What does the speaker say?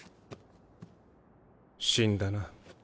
死んだな。